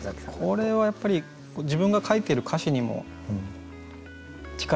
これはやっぱり自分が書いている歌詞にも近いものを感じますね。